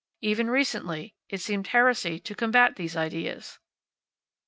Even recently, it seemed heresy to combat these ideas.